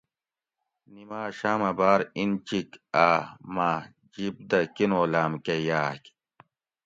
نِماۤشاۤمہ باۤر اِنچِک اۤ مہ جیب دہ کینولام کہ یاۤگ